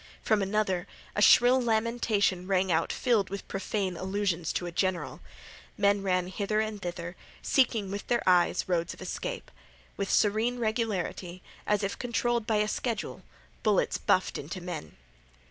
From another a shrill lamentation rang out filled with profane allusions to a general. Men ran hither and thither, seeking with their eyes roads of escape. With serene regularity, as if controlled by a schedule, bullets buffed into men.